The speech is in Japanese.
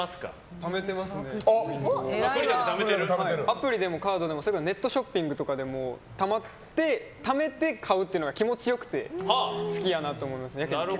アプリでもカードでもネットショッピングとかでもためて買うというのが気持ち良くて好きだなと思いますね。